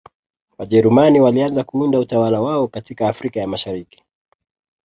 Wajerumani walianza kuunda utawala wao katika Afrika ya Mashariki